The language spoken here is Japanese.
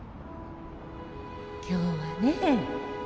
今日はね